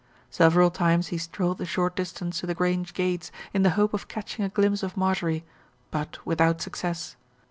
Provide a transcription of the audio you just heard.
Several times he strolled the short distance to The Grange gates, in the hope of catching a glimpse of Marjorie; but without success.